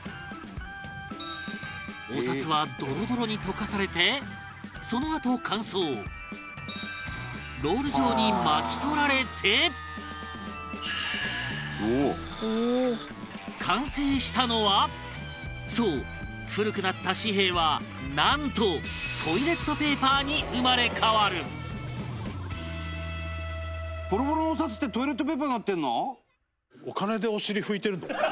お札は、ドロドロに溶かされてそのあと乾燥ロール状に巻き取られてそう、古くなった紙幣はなんと、トイレットペーパーに生まれ変わる伊達：ボロボロのお札ってトイレットペーパーになってるの？